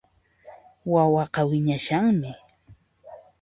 Wawaqa wiñashanmi